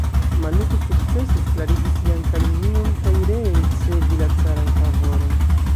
Maluto sukcesis klarigi sian kalumnion kaj ree ricevi la caran favoron.